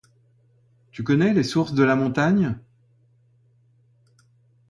Tu connais les sources de la montagne ?